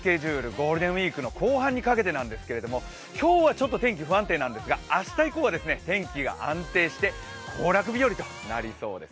ゴールデンウイークの後半にかけてなんですけど今日はちょっと天気不安定なんですが、明日以降は天気が安定して行楽日和となりそうです。